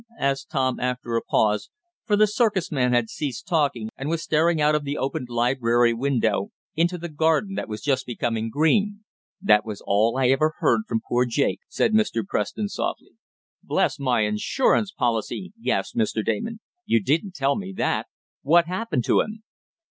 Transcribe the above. asked Tom, after a pause, for the circus man had ceased talking and was staring out of the opened library window into the garden that was just becoming green. "That was all I ever heard from poor Jake," said Mr. Preston softly. "Bless my insurance policy!" gasped Mr. Damon. "You didn't tell me that! What happened to him."